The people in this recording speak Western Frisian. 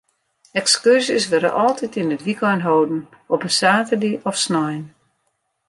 Ekskurzjes wurde altyd yn it wykein holden, op in saterdei of snein.